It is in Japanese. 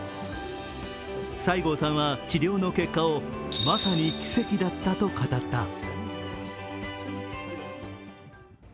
西郷さんは治療の結果を、まさに奇跡だったと語った。